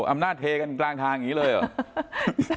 อำนาจเทกันกลางทางอย่างนี้เลยเหรอ